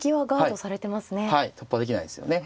突破できないですよね。